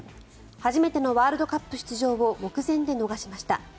初めてのワールドカップ出場を目前で逃しました。